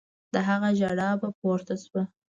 د هغه ژړا به پورته سوه.